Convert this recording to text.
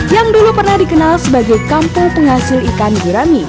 yang dulu pernah dikenal sebagai kampung penghasil ikan gurami